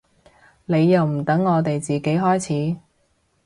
你又唔等我哋自己開始